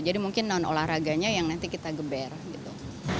jadi mungkin non olahraganya yang nanti kita geber gitu